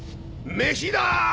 めしだ！